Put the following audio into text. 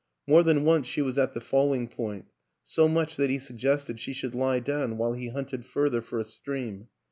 More than once she was at the falling point ; so much so that he suggested she should lie down while he hunted further for a stream.